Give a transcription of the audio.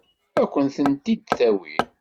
Ad kent-ten-id-tawi?